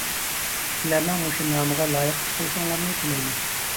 سىلەرنىڭ مۇشۇ نامغا لايىق ئىش قىلىشىڭلارنى تىلەيمەن.